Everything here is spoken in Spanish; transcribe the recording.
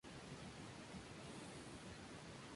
Está situado en la constelación de Pegaso.